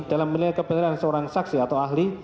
dalam menilai kebenaran seorang saksi atau ahli